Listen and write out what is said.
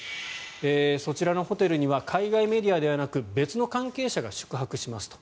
そちらのホテルには海外メディアではなく別の関係者が宿泊しますと。